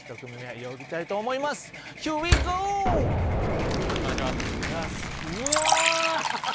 よろしくお願いしますうわ！